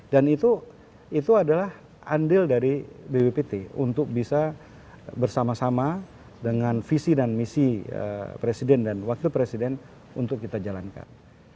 dan itu adalah andil dari bppt untuk bisa bersama sama dengan visi dan misi presiden dan wakil presiden untuk kita jalankan